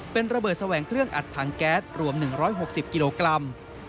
เป็นระเบิดแสวงเครื่องอัดถังแก๊สรวม๑๖๐กิโลกรัม